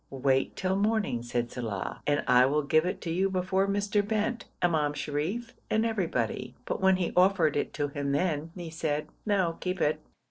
'Wait till morning,' said Saleh, 'and I will give it you before Mr. Bent, Imam Sharif, and everybody,' but when he offered it to him then, he said, 'No, keep it.'